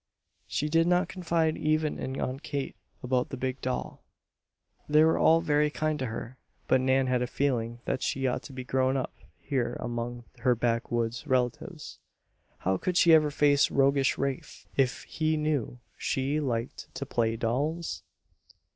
She did not confide even in Aunt Kate about the big doll. They were all very kind to her; but Nan had a feeling that she ought to be grown up here among her backwoods relatives. How could she ever face roguish Rafe if he knew she liked to "play dolls?"